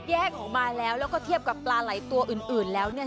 แยกออกมาแล้วแล้วก็เทียบกับปลาไหล่ตัวอื่นแล้วเนี่ย